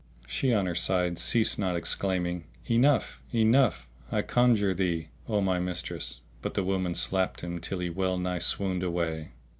She on her side ceased not exclaiming, "Enough, enough, I conjure thee, O my mistress!"; but the women slapped him till he well nigh swooned away.